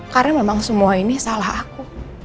karena memang semua ini salah aku